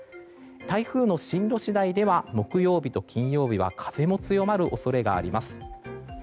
台風の進路次第では木曜日と金曜日は風も強まる恐れがあります。